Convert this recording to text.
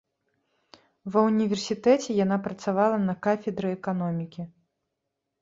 Ва ўніверсітэце яна працавала на кафедры эканомікі.